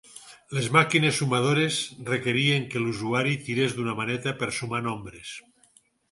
Les màquines sumadores requerien que l'usuari tirés d'una maneta per sumar nombres.